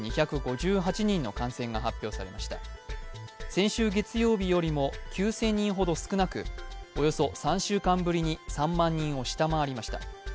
先週月曜日よりも９０００人ほど少なく、およそ３週間ぶりに３万人を下回りました。